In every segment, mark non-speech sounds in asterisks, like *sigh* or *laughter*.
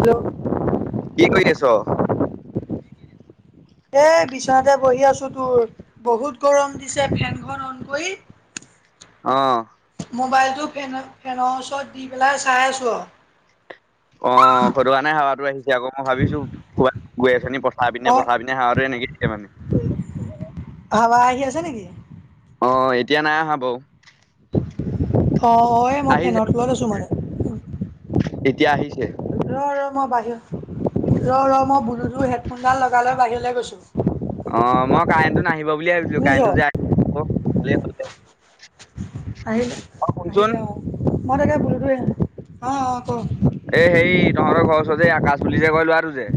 Hello কি কৰি আছ? এ বিচনাতে বহি আছো তোৰ বহুত গৰম দিছে ফেনখন অন কৰি অ'। ম'বাইলটো ফেন ফেনৰ ওচৰত দি পেলাই চাই আছোঁ আৰু। অ', সেইটো কাৰণে হাৱাটো আহিছে অ' মই ভাবিছো কোবাত গৈ আছ পঠাৰ পিনে অ পঠা পিনে হাঁৱাটো নিদিয়ে মানে। হাৱা আহি আছে নেকি অ', এতিয়া নাই অহা বাৰু। অ', এই মই আহিছে ফেনত লৈ আছো মানে। এতিয়া আহিছে। ৰ ৰ মই বাহিৰ ৰ ৰ মই ব্লুটুথ হেডফোনডাল লগালৈ বাহিৰলৈ গৈছোঁ। অ', মই কাৰেণ্টটো নাহিব বুলি ভাবিছিলো শুনিছ কাৰেণ্টটো যে আহিল ভালেই হ'ল দে। আহিল অ', শুনচোন আহিলে অ'। মই তাকে বুলটোৱে অ' অ'। ক এ সেই তহঁতৰ ঘৰ ওচৰতে আকাশ বুলি যে কয় লোৱাটো যে।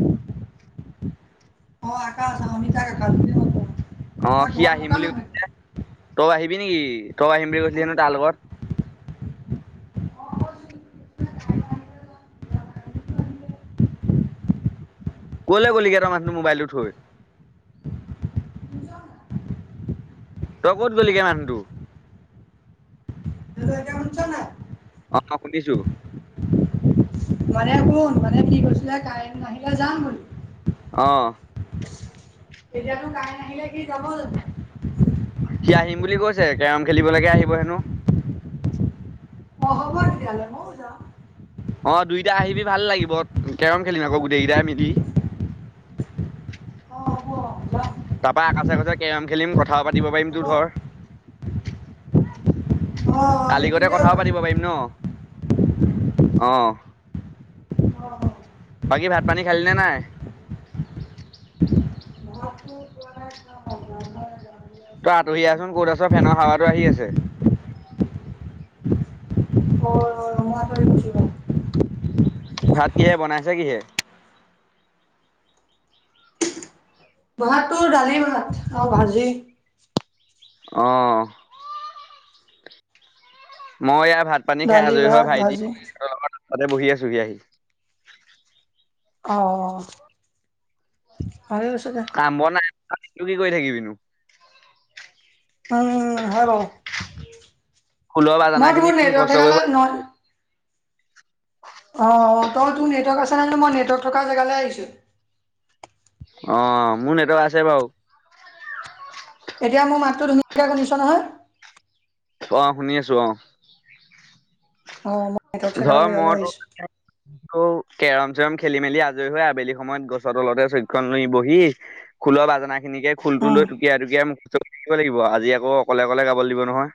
অ', আকা আছ আমি ত কাল অ', সি আহিম বুলি কৈছিলে, তই আহি আহিবি নেকি? তই আহিম বুলি কৈছিলি হেনো তাৰ লগত। *unintelligible* কলে গলিগে তই মানুহটো মোবাইলটো থৈ? তই ক'ত গলিগে মানুহটো? তই এতিয়া শুনিছনে নাই? অ', শুনিছো। মানে শুন মানে সি কৈছিলে, তাই আহিলে যাম বুলি? অ'। এতিয়াতো তাই নাহিলে সি যাব জানো! সি আহিম বুলি কৈছে কেৰম খেলিবলৈকে আহিব হেনো। অ', হব দে তেতিয়া হলে মইও যাম। অ', দুইটা আহিবি ভাল লাগিব, কেৰম খেলি আকৌ গোটেই কেইটাই মিলি। অঁ হ'ব যাম তাৰপা আকাশে কৈছে কেৰম খেলিম কথা পাতিব পাৰিম হ'ব তোৰ অঁ ধৰ আমি কালিগতে দুইটাও কথাও যাম পাতিব পাৰিম ন? অ', অঁ অঁ বাকী ভাত পানী খালিনে নাই? ভাতটো পোৱা নাই খাম আৰু ভাত মানে তই আতহি আহচোন দালি ক'ত আছ, ফেনৰ হাৱাটো আহি আছে। আছে দালি অঁ ৰঙা তই গুচি গ'ল ভাত কিহে বনাইছে কিহে? ভাত টোৰ দালি ভাত আৰু ভাজি। অ'। মই এইয়া ভাত পানী খাই দালি আজৰি হয় ভাত ভাজি ভাইটিৰ লগ তাতে বহি আছো‍ঁহি আহি। অ', ভালে হৈছে দে। তাত নো কি কৰি থাকিবিনো? উম, হয় বাৰু। খোলৰ বাজানা মই খিনি তোৰ মুখস্থ নেটৱৰ্ক কৰিব *unintelligible* অ', তই তোৰ নেটৱৰ্ক আছে নে মই নেটৱৰ্ক থকা জেগালৈ আহিছোঁ। অ', মোৰ নেটৱৰ্ক আছে বাৰু। এতিয়া মোৰ মাতটো ধুনীয়াকৈ শুনিছ নহয়? অ', শুনি আছো অ'। অ', নেটৱৰ্ক থকা ধৰ জেগালৈ মইতো আহিছো কেৰম চেৰম খেলি মেলি আজৰি হৈ আবেলি সময়ত গছৰ তলতে চকীখন লৈ বহি, খোলৰ বাজনা খিনিকে খোলটো উম লৈ টুকিয়াই, টুকিয়াই মুখ শিকিব লাগিব, আজি আকৌ অকলে অকলে গাবলৈ দিব নহয়।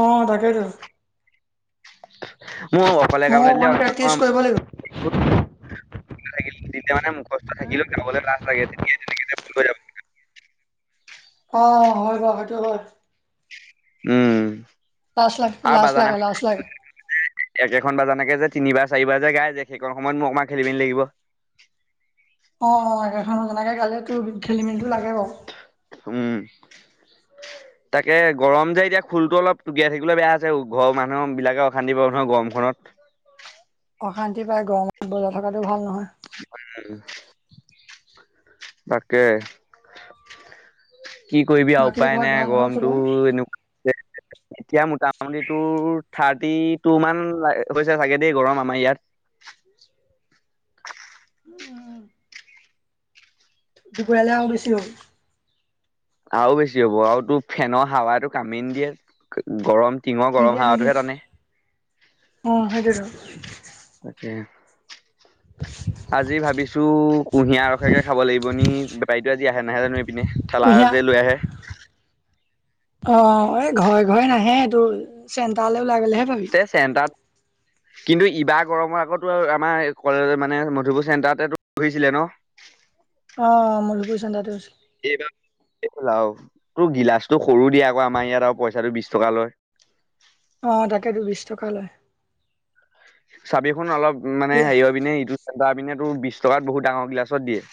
অ', তাকেই টো। মোৰ অকলে ময়ো গাবলৈ দিলে, অকমান প্ৰেক্টিচ কৰিব লাগিব *unintelligible* থাকিলে যেতিয়া মানে মুখস্থ থাকিলে গাবলৈ লাজ লাগে, তেতিয়া তেনেকে *unintelligible* *unintelligible* অ', হয় বাৰু সেইটো হয়। উম, লাজ লাগ আৰু লাজ লাগে লাজ বাজানাখন লাগে *unintelligible* একেখন বাজানকে যে তিনিবাৰ চাৰিবাৰ যে গাই যে, সেইকন সময়ত মোৰ অকমান খেলি মেলি লাগিব। অ', অ', একেখন বাজনাকে গালে, তোৰ খেলি মেলিটো লাগে বাৰু। উম, তাকে গৰম যে এতিয়া খোলটো অলপ টোকিয়াই থাকিবলৈ বেয়া আছে, ঘৰৰ মানুহ বিলাকে অশান্তি পাব নহয় গৰম গৰম খনত। অশান্তি পাই গৰমত বজাৰ থকাটো ভাল নহয়। তাকে কি কৰিবি আৰু বাকী উপায় ঘৰত নাই ভাল নহয় গৰমতটো চবৰে এনেকুৱা এতিয়া মোটামুটি তোৰ থাৰ্টি টি টু মান হৈছে চাগে দেই গৰম আমাৰ ইয়াত। দুপৰীয়ালৈ আৰু বেছি হব। আৰু বেছি হ'ব। আৰু তোৰ ফেনৰ হাৱাইটো কামেই নিদিয়ে গৰম টিঙৰ গৰম নিদিয়ে নিদিয়ে হাৱাটোহে টানে। অ', সেইটোয়েটো। তাকে আজি ভাবিছো কুঁহিয়াৰৰ ৰসকে খাব লাগিব নি বেপাৰীতো আজি আহে নাহে জানো এইপিনে থেলা কুঁহিয়া যে লৈ আহে। অ', এই ঘৰে ঘৰে নাহে এইটো, চেণ্টাৰলে ওলাই গলেহে পাবি। তে *inaudible* কিন্তু ইবাৰ গৰমৰ আগতো আমাৰ কলেজ মানে মধুপুৰ চেণ্টাৰতে বহিছিলে ন। অ', মোৰ মধুপুৰ চেণ্টাৰতে হৈছিল। এইবাৰ সেই খন আৰু, তোৰ গিলাচটো সৰু দিয়ে আকৌ আমাৰ ইয়াত আৰু পইচাটো বিশ টকা লয়। অ' তাকেটো বিশ টকা লয়। চাবিখোন অলপ মানে হেৰি হৈ পিনে ইটো সিপাৰৰ পিনে তোৰ বিশ টকাত বহুত ডাঙৰ গিলাছত দিয়ে।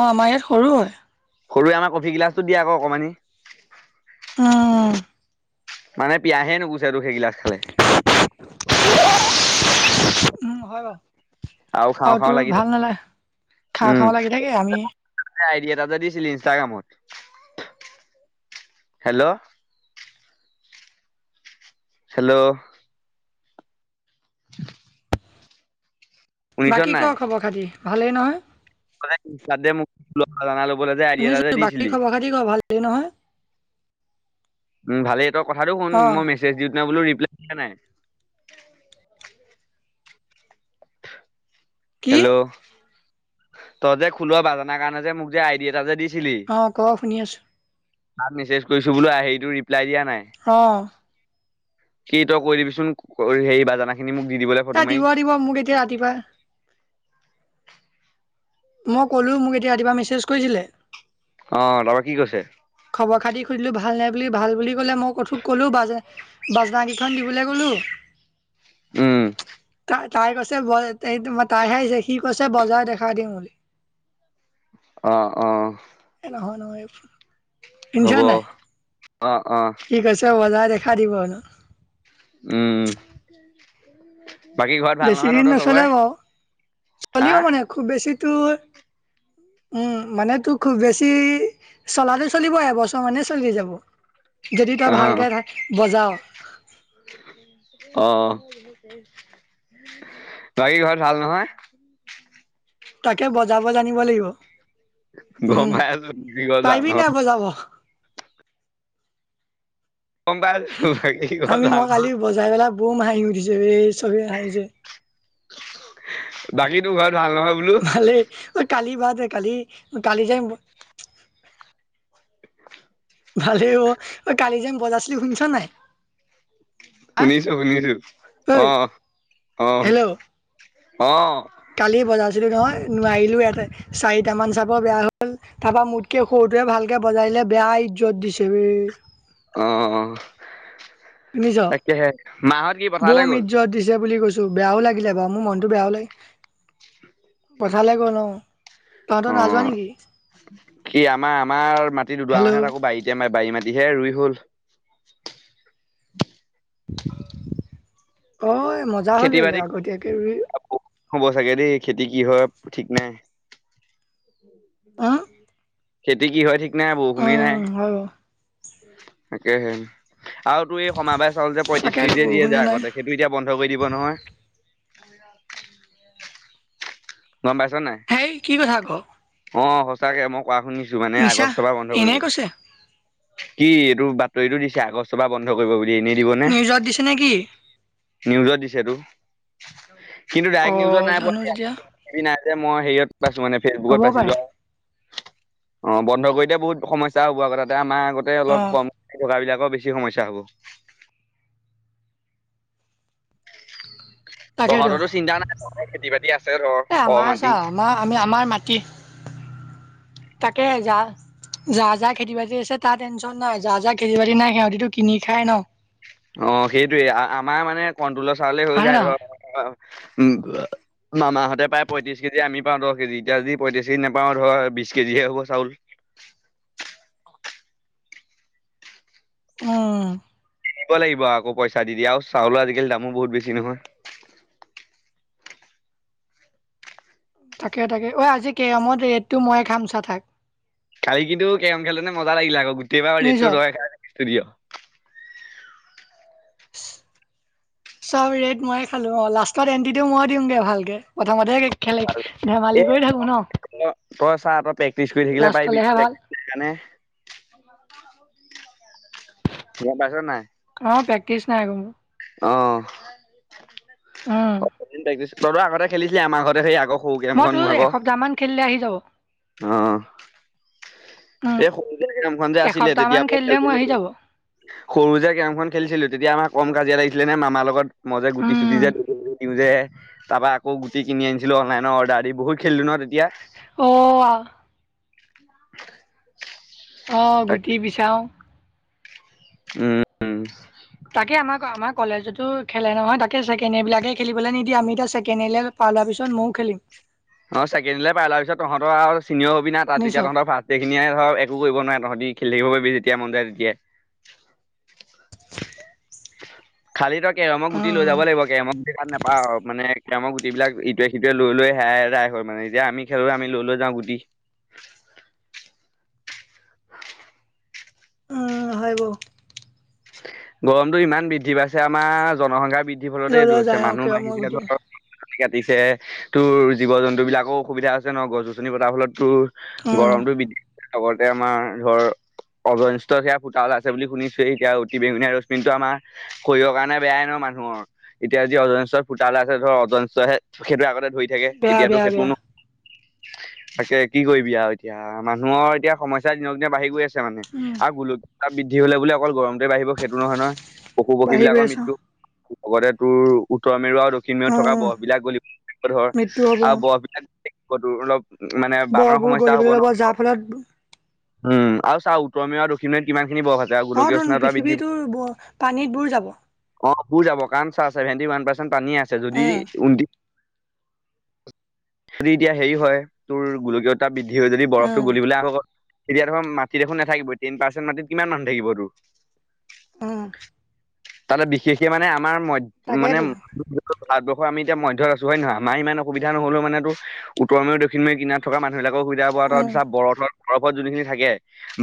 অ' আমাৰ ইয়াত সৰু হয়। সৰুৱে আমাৰ কফি গিলাচটোত দিয়ে আকৌ অকণমানি। অ মানে পিয়াহে নুগুছে তোৰ সেইগিলাছ খালে। উম হয় বাৰু। খাওঁ আৰু খাওঁ তোৰ লাগি থাকে ভাল নালাগে, খাওঁ-খাওঁ লাগি থাকে। আমি- আইডিয়া এটি যে দিছিলি ইনষ্টাগ্ৰামত, হেল্ল'? হেল্ল-'? শুনিছ বাকী ক খবৰ খাতি, ভালেই নহয়? ্য *unintelligible* শুনিছো বাকী খবৰ খাতি ক, ভালেই নহয়? উম, ভালেই তই কথাটো শুন, অ', মই মেছেজ দিওঁতে বোলো ৰিপ্লাই দিয়া নাই। কি? হেল্ল' তই যে খোলৰ বাজানাৰ কাৰণে যে মোক যে আইডিয়া এটা যে দিছিলি অ, ক শুনি আছো। তাত মেছেজ কৰিছো বোলো সেইটো ৰিপলাই দিয়া নাই। অ' সি তই কৈ দিবিচোন, হেৰি বাজানা খিনি। খিনি মোক দি দিব লাগে এ ফটো মাৰি। দিব মোক এতিয়া ৰাতিপুৱা মই ক'লো মোক এতিয়া ৰাতিপুৱা মেছেজ কৰিছিলে। অ' তাৰপৰা কি কৈছে? খবৰ খাতি সুধিলো ভাল নে বুলি? ভাল বুলি কলে, মই ক'লো বাজ বাজনা কেইখন দিবলৈ ক'লো উম তাই তাই কৈছে ব- তাইহে আহিছে, সি কৈছে বজাই দেখাই দিম বুলি। অ- অ, হ'ব শুনিছনে নাই? অ অ সি কৈছে বজাই খাই দিব হেনো। উম, উম বেছিদিন নচলে বাৰু, চলিব মানে খুব বেছি তোৰ হয় *inaudible* মানে তোৰ খুব বেছি চলাটো চলিব এবছৰমানেই চলি যাব। যদি তই অ ভালকে বজাঅ'। অ'। বাকী ঘৰত ভাল, নহয়। তাকে, বজাব জানিব লাগিব। গম উম, পাই আছো বাকী ঘৰত ভাল পাৰিবি নহয় নাই, বজাব। গম পাই আছো বাকী ঘৰত আমি, ভাল মই নহয় কালি বজাই পেলাই বম হাঁহি উঠিছে, এই, চবে হাঁহিছে। বাকী তোৰ ঘৰত ভাল নহয়, বোলো? ভালেই ঐ কালি বাদ কালি, কালি যে ভালেই অ, ঐ কালি যেন বজাইছিলি শুনিছ, নাই। আ শুনিছো, শুনিছো, ঐ অ', অ', হেল্ল' অ'। কালি, বজাৰ নহয়, নোৱাৰিলো ইয়াতে, চাৰিটা মান চাপৰ বেয়া হ'ল, তাৰ পৰা মোতকৈ সৰুটোৱে ভালকে বজাই এনে, বেয়া ইজ্জত দিছে, বে। অ'। শুনিছ, তাকেহে মাহত কি পথাৰলৈ বৌম গ'ল ইজ্জত দিছে বুলি কৈছো। বেয়াও লাগিলে বাৰু, মোৰ মনতটো বেয়াও লাগে। পথাৰলে গ'ল অ'। তহতে, অ নাইযোৱা নেকি? কি, আমাৰ, আমাৰ মাটি দুদৰা মানহে হেল্ল' তাকো বাৰীতে, বাৰী মাটিহে ৰুই হ'ল। *inaudible* অ'। মজা হ'ল খেতি, লে বাতি আগতীয়াকে ৰুই হ'ব চাগে দেই। খেতি কি হয় ঠিক নাই, অ খেতি কি হয় ঠিক নাই, বহুষুণ অ নাই, হয় বাৰু তাকে হে। আৰু তো, এই সমাবাস চাউল যে পঁয়ত্ৰশ তাকেতো কেজিয়ে দিয়ে বৰষুণে যায়, নাই আগতে সেইটো এতিয়া বন্ধ কৰি ব, নহয়। গম পাইছ নাই, হেই কি কথা ক অ, সঁচাকে মোক কোৱা শুনিছো, মানে মিছা আগষ্টৰ পৰা বন্ধ কৰিব। এনেই কৈছে কি বাতৰিতটো দি আগষ্ট বা বন্ধ কৰিব বুলি, এনেই দিব ন, নিউজত দিছে নে কি নিজত কিন্তু অ ডক্ নিউজত নাই পোৱা জানো তেতিয়া ন, যে, মই হত পাইছো মানে, ফেচবুকত হ'ব পাইছিলো। পাৰে অ, বন্ধ কৰি দিলে বহুত সমস্যা হ'ব আগৌ তাতে আমাৰ আগতে অ অলপ কম টকা বিলাক বেছি সমস্যা হ'ব। তাকেতো তহঁতৰো চিন্তা নাই, তহৰ খেতি, বাতি আছে ধ, এ আমাৰ চা কমাটি। আমাৰ আমি আমাৰ মাটি তাকে, যা। যা, যাহ খেতি, বাতি আছে, তাৰ টেনশ্যন নাই, যা, যা খেতি, বাতি নাই সিহঁতিতো কিনি খাই ন। অ, সেইটয়ে আমাৰ মানে কণটলৰ চাউলে হৈ, হয়নে যায় ধৰ। নহয় উ, মাহতে প্ৰায় পয়ত্ৰিশ কেজি, আমি পাওঁ দহ কেজি, এতিয়া যদি পঁয়ত্ৰিশ কেজি নাপাওঁ, ধৰ বিশ কেজি। সেই, সপা, চাউল উম। দিব লাগিব আকৌ পইচা দি, দিয়ে আৰু চাউলৰ আজিকালি দামো বহুত, বেছি নহয়। তাকে, তাকে অঐ আজি কেৰামত ৰেটটো মইে খাম চা, থাক। কালি কিন্তু কেৰম খেলো মজা লাগিলে, আকৌ গোটেইবাৰ শুনিছ ডেটটো ৰয় খ, ষ্টুডি' *inaudible* চব ৰেট মইে খালো। অ, লাষ্টত এনটিও মই দিমগে ভালকে, প্ৰথমতে খেল এ, ধেমালি কৰি থাকো ন তই চাহ, তই প্ৰেক্টিচ কৰি থাকিলে, পাৰিবি। লাষ্টলেহে ভাল প্ৰেক্টি সেইকাৰণে, ইয়াত পছত নাই। অ, পেকেজ নাইক মোৰ অ'। আহ। প্ৰেক্টিচ তইতো আগতে খেলি আমাৰ ঘৰতে সেই আগৰ সৰু মই গেমখন মোৰ তোৰ এসপ্তাহ মান খেলিলে আহি যাব ভাগৰ অ'। উম এই সৰু যে কামখন যে আছিলে এসপ্তাহ তেতিয়া মান পৰা খেল খেলিলে মোৰ আহি যাব সৰু যে গৰমখন খেলিছিলো তেতিয়া আমাৰ কম কাজিয়া লাগিছিল। আছিলে নে মামাৰ লগত মই যে গুটি চুটি উম যে দিওঁ যে। তাৰ পৰা আকৌ গুটি কিনি আনিছিলো অনলাইনৰ অৰ্ডাৰ দি বহুত খেলদিনৰ অহ। *inaudible* আহ গুটি বিচাৰো উম। তাকে আমাৰ আমাৰ কলেজতো খেলে নহয়। তাকে ছেডন্ড ইয়েৰবিলাকে খেলিবলৈ নিদিয়ে আমি এতিয়া ছেকেণ্ড পিছত ময়ো খেলিম। অ', চেকেণ্ডিলে পাইাৰ পিছত তহঁতৰ আৰু চিনিয়ৰ হবি শুনিছ তাততিয়া তহঁতৰ ফাষ্ট এইখিয়ে ধৰ একো কৰিবোৱ তঁহতি। খেল থাকিব পাৰিবি যেতিয়া মন যায় তেতিয়া। খালি তই কেৰমক গুটি লৈ উম যাব লাগিব কেৰমক গুটি তাত নাপাও মানে। এতিয়ামৰ গুটবিলাকৱে সিটোৱে লৈ হেৰাই হয় মানে এতিয়ামি খেলোলৈ আমি লৈ ল যাওঁ গুটি। *inaudible* উম, হয় বাৰু। গৰমতটো ইমান বৃদ্ধি পাইছে আমাৰ জনসংখ্যা বৃদ্ধি ফলতে লৈ এইটো লৈ হৈছে যায় অ মানুহ কিয় বাঢ়ি মই গুটি ধৰক কাটিছে তোৰ জীৱ জন্তু বিলাকৰ অসুবিধা আছে ন গছ গছনি পতাৰ ফলত তোৰ। উম গৰমটো বৃদ্ধি লগতে আমাৰ ধৰ অজন স্তৰত সেয়া ফুতা আছে বুলি শুনিছোৱৱেই এতিয়া। অতি বেঙুনীয়া ৰচমিন টো আমাৰ শৰীৰৰ কাৰণে বেয়াই ন মানুহ এতিয়া যি অজন স্তৰত ফুতা উলাইছে ধৰ। স্তৰ হেসেইটোৱে আগতে ধৰি থাকে বেয়া এতিয়াতো বেয়া সেইটো বেয়া ন তাকে কি কৰিবি আৰু এতিয়া মানুহৰ এতিয়া সমস্যা দিনক দিনা বাঢ়ি গৈ আছে। মানে উম আৰু গোলকী স্তৰ বৃদ্ধি হ'লে বুলি অকল গৰমতে বাঢ়িব সেইটো নহয় নহয়। পশু পক্ষী বাঢ়ি গৈ বিলাকৰ আছে অ'। মৃত্যু লগতে তোৰ উত্তৰ মেৰু আৰু দক্ষিণ মেৰুত থকা উম বৰফবিলাক গলিব গলিব ধৰ মৃত্যু হ'ব আৰু বৰফবিলাক অলপ মানে বানৰ বৰবোৰ সমস্যা হ'ব গলিবলৈ ল'ব যাৰ ন। ফলত উম, আৰু চা উত্তৰে আৰু দক্ষিণ মেয়ত কিমানখিনি বৰফ আছে। আৰু গোলকীয় উষ্ণতা বৃদ্ধি পৃথিৱীতো পানীত বোৰ যাব। অ', বুুৰ যাব কাৰণ চা আছে ভভেটি ওৱান পাৰ্চেণ্ট পানী আছে যদি উম যদি এতিয়া হেৰি হয় তোৰ গোলকীয়তা বৃদ্ধি বৰফটো উম গলিবলৈ আহক তেতিয়া ধৰ মাটিত নাথাকিব টেন পাৰ্চেণ্ট মাটিত কিমান মানুহ থাকিব তোৰ। উম। তাতে বিশেষকে মানে আমাৰ ম মানে তাকেইতো ভাৰবৰ্ষ আমি এতিয়াধ্যত আছো হয় নহয় মাৰ ইমান অসুবিধা নহলেও মানেো উত্তৰময় দক্ষিময় কিনাৰ থকা মানু সেইবিলাকক সুবিধা তাত উম তেতিয়া বৰফত বৰফত যোনখিনি থাকে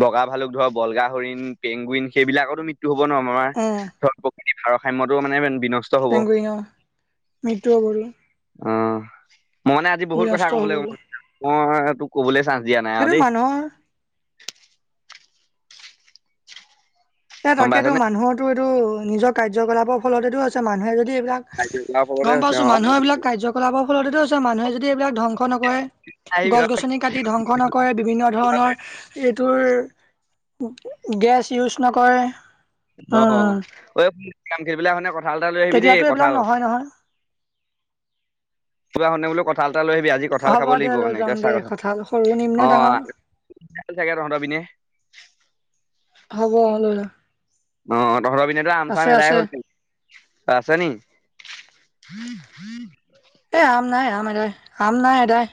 বগা ভালুক ধৰক বলগা হৰিণ পেংগুইন সেইবিলাকতো মৃ হ'ব নোৱাৰো আমাৰ উম ধৰ প্ৰক়তি ভাৰসাম্যতো মানে বিনষ্ট হ'ব পেঙ্গুইন অ' মৃত্যু হ'ব গৈ। অ', মই মানে আজি বহুত কথা কব লাগিব মান মই তোক কবলৈ চা হেতু মানুহৰ এ গম তাকেতো পাইছনে মানুহৰটো এইটো নিজৰ কাৰ্যকলাপৰ ফলতেতটো হৈছে। মানুহে যদি এইবিলাক ফলতে গম হৈছে অ পাইছো মানুহৰ এইবিলাক কাৰ্যকলাপৰ ফলতেতো আছে মানুহে যদি এইবিলাক ধ্বংস নকৰে। আহিবি গছ গছনি কাটি ধ্বংস নকৰে বিভিন্ন ধৰণৰ এইটোৰ গেছ ইউজ নকৰে। অঐ উম *unintelligible* খনে কঁঠাল এটা লৈ আহিবি দেই তেতিয়াতো এইবিলাক কঁঠাল নহয় নহয় *unintelligible* বোলো কঁঠাল এটা লৈ আহিবি আজি কঁঠাল হ'ব খাব দে লাগিব লৈ মানে যাম কেচা দে কঁঠা কথা সৰু নিম অ নে ডাঙৰ *unintelligible* চাগে তহঁত পিনে হ'ব অ লৈল অ তহতৰ পিনেতো আম চাম এদাই হল আছে নি *unintelligible* এই আম নাই আম এদাই আম নাই এদাই